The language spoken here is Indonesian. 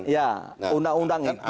ya undang undang itu